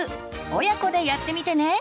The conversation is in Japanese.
親子でやってみてね！